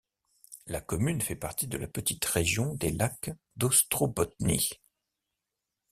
La commune fait partie de la petite région des lacs d'Ostrobotnie.